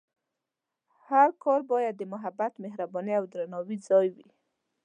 هر کور باید د محبت، مهربانۍ، او درناوي ځای وي.